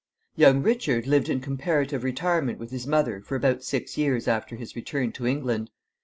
Young Richard lived in comparative retirement with his mother for about six years after his return to England.